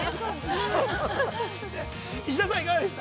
石田さん、いかがでした？